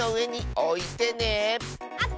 おっ！